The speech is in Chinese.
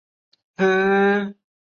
范希朝人。